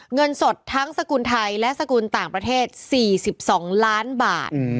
เงินสดทั้งสกุลไทยและสกุลต่างประเทศ๔๒ล้านบาท